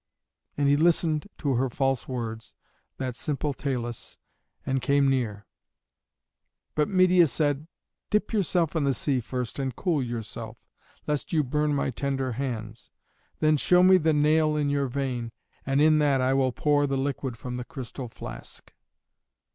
And he listened to her false words, that simple Talus, and came near. But Medeia said, "Dip yourself in the sea first and cool yourself, lest you burn my tender hands. Then show me the nail in your vein, and in that will I pour the liquid from the crystal flask."